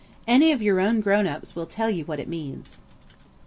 Any of your own grown ups will tell you what it means.